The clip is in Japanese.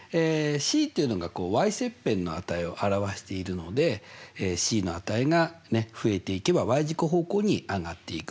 ｃっていうのが切片の値を表しているのでｃの値が増えていけば軸方向に上がっていく。